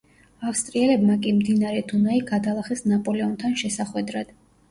ავსტრიელებმა კი მდინარე დუნაი გადალახეს ნაპოლეონთან შესახვედრად.